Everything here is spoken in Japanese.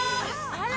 あら！